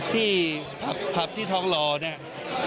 ที่ผับที่ทองหล่อเนี่ย